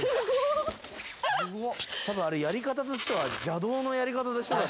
多分あれやり方としては邪道のやり方でしょ？